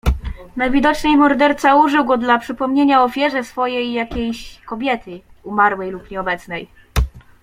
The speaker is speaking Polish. "Najwidoczniej morderca użył go dla przypomnienia ofierze swojej jakiejś kobiety umarłej lub nieobecnej."